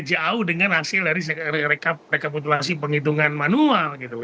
jauh dengan hasil dari rekapitulasi penghitungan manual gitu